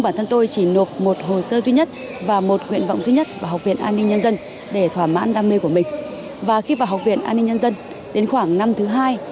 và học viên của trường cao đẳng an ninh nhân dân một giảng dạy